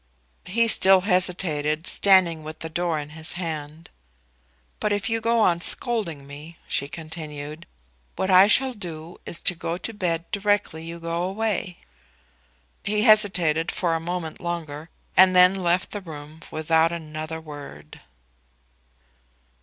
He still hesitated, standing with the door in his hand. "But if you go on scolding me," she continued, "what I shall do is to go to bed directly you go away." He hesitated for a moment longer, and then left the room without another word.